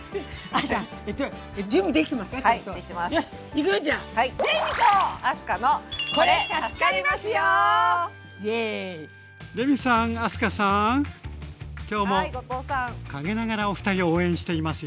はい後藤さん。今日も陰ながらお二人を応援しています。